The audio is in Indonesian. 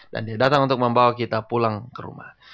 dan dia datang untuk membawa kita pulang ke rumah